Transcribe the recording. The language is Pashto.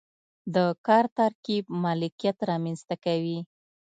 د کار ترکیب مالکیت رامنځته کوي.